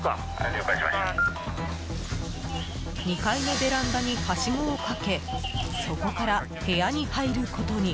２階のベランダにはしごをかけそこから部屋に入ることに。